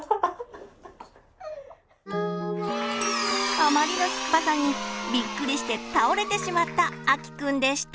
あまりの酸っぱさにびっくりして倒れてしまったあきくんでした！